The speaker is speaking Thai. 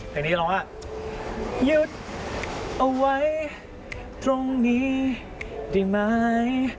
ผมฟังว่าหยุดเอาไว้ตรงนี้ได้มั้ย